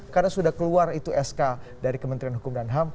karena sudah keluar itu sk dari kementerian hukum dan ham